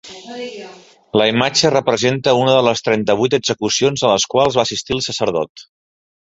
La imatge representa una de les trenta-vuit execucions a les quals va assistir el sacerdot.